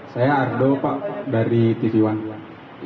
saya ardo pak dari tv one way